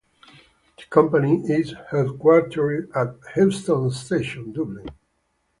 The company is headquartered at Heuston Station, Dublin.